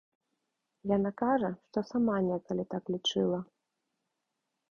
Яна кажа, што сама некалі так лічыла.